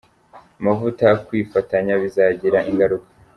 amavuta Kwifatanya bizagira ingaruka.